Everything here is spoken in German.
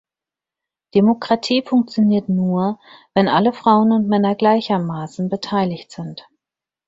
Demokratie funktioniert nur, wenn alle Frauen und Männer gleichermaßen beteiligt sind.